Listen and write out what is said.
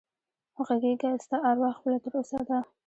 غږېږه ستا اروا خپله تر اوسه ده